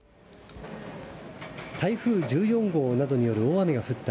台風１４号などによる大雨が降った、